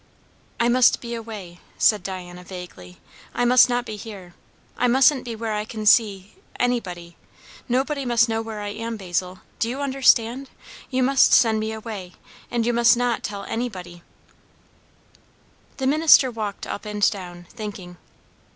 "I must be away," said Diana vaguely. "I must not be here. I musn't be where I can see anybody. Nobody must know where I am, Basil do you understand? You must send me away, and you must not tell anybody." The minister walked up and down, thinking.